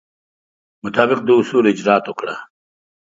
مطابق د اصولو اجرات وکړه.